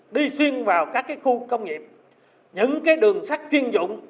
đi xuyên vào các khu công nghiệp những đường sắt chuyên dụng